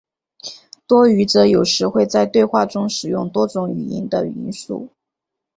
多语者有时会在对话中使用多种语言的元素。